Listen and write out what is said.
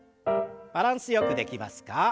バランスよくできますか？